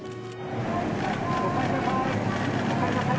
おかえりなさい。